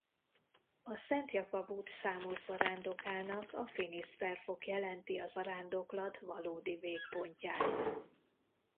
A Szent Jakab-út számos zarándokának a Finisterre-fok jelenti a zarándoklat valódi végpontját.